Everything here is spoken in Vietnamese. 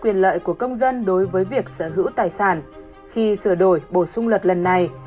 quyền lợi của công dân đối với việc sở hữu tài sản khi sửa đổi bổ sung luật lần này